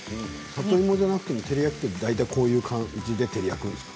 里芋じゃなくても照り焼きは大体こういう感じで照り焼きにするんですか。